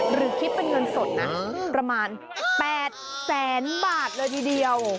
หรือคิดเป็นเงินสดนะประมาณ๘แสนบาทเลยทีเดียว